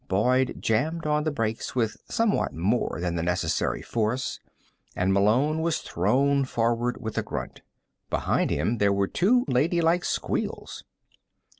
Boyd jammed on the brakes with somewhat more than the necessary force, and Malone was thrown forward with a grunt. Behind him there were two ladylike squeals.